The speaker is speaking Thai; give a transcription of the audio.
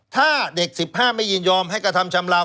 ถ้าเด็ก๑๕ไม่ยินยอมให้กระทำชำลาว